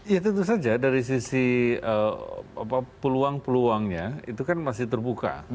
ya tentu saja dari sisi peluang peluangnya itu kan masih terbuka